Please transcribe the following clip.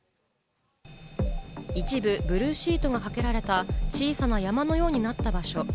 一部ブルーシートがかけられた、小さな山のようになった場所。